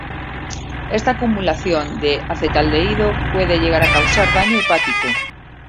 Esta acumulación de acetaldehído puede llegar a causar daño hepático.